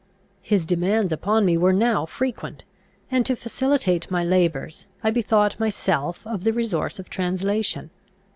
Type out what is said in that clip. His demands upon me were now frequent, and, to facilitate my labours, I bethought myself of the resource of translation.